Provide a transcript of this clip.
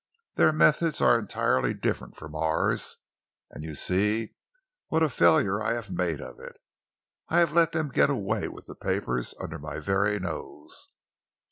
Their methods are entirely different from ours, and you see what a failure I have made of it. I have let them get away with the papers under my very nose."